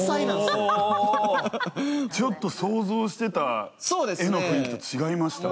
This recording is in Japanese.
ちょっと想像してた絵の雰囲気と違いました。